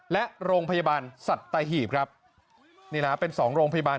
และโรงพยาบาลสัตหีบครับนี่นะเป็นสองโรงพยาบาล